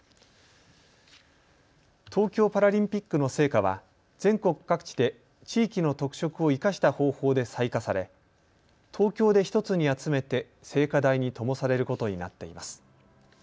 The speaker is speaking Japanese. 東京パラリンピックの聖火は全国各地で地域の特色を生かした方法で採火され東京で１つに集めて聖火台にともされることになっています。